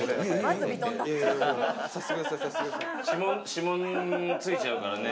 指紋ついちゃうからね。